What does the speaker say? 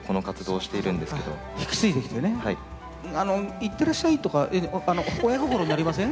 いってらっしゃいとか親心になりません？